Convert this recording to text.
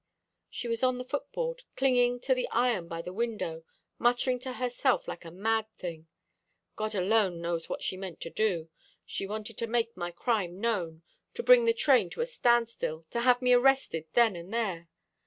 "She was on the footboard, clinging to the iron by the window, muttering to herself like a mad thing. God alone knows what she meant to do. She wanted to make my crime known, to bring the train to a standstill, to have me arrested then and there.